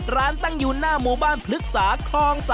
ตั้งอยู่หน้าหมู่บ้านพฤกษาคลอง๓